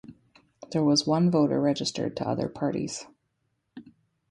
There was one voter registered to other parties.